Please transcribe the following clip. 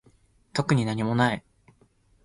特になにもない